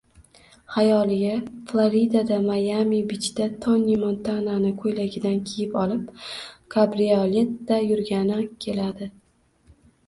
xayoliga Floridada, Mayami Bichda Toni Montanani ko‘ylagidan kiyib olib, kabrioletda yurgani keladi.